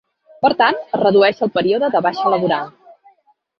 Per tant, es redueix el període de baixa laboral.